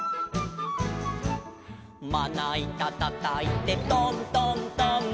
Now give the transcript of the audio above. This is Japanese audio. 「まないたたたいてトントントン」